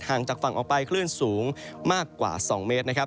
งจากฝั่งออกไปคลื่นสูงมากกว่า๒เมตรนะครับ